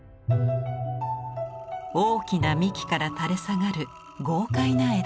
大きな幹から垂れ下がる豪快な枝ぶり。